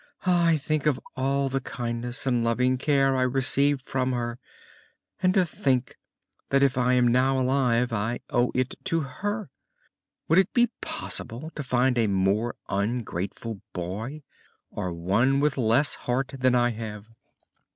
To think of all the kindness and loving care I received from her, to think that if I am now alive I owe it to her! Would it be possible to find a more ungrateful boy, or one with less heart than I have?"